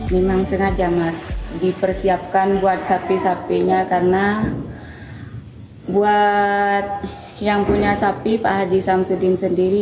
memang sengaja mas dipersiapkan buat sapi sapinya karena buat yang punya sapi pak haji samsudin sendiri